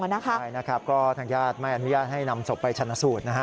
ใช่นะครับก็ทางญาติไม่อนุญาตให้นำศพไปชนะสูตรนะฮะ